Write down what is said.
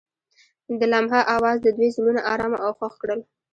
د لمحه اواز د دوی زړونه ارامه او خوښ کړل.